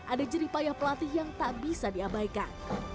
ada jeripayah pelatih yang tak bisa diabaikan